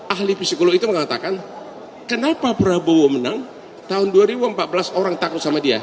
ahli psikolog itu mengatakan kenapa prabowo menang tahun dua ribu empat belas orang takut sama dia